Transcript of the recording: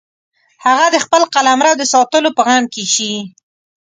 هغه د خپل قلمرو د ساتلو په غم کې شي.